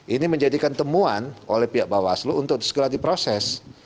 ini menjadikan temuan oleh pihak bawaslu untuk segera diproses